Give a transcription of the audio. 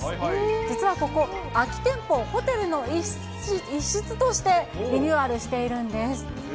実はここ、空き店舗をホテルの一室としてリニューアルしているんです。